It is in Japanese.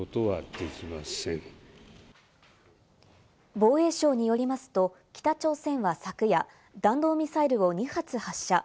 防衛省によりますと、北朝鮮は昨夜、弾道ミサイルを２発発射。